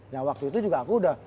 yang waktu itu juga aku udah